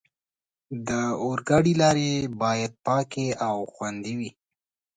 د اورګاډي لارې باید پاکې او خوندي وي.